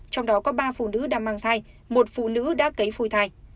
trong đó có ba phụ nữ đang mang thai một phụ nữ đã cấy phôi thai